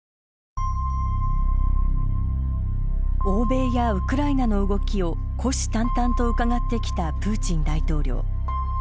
欧米やウクライナの動きを虎視たんたんとうかがってきたプーチン大統領。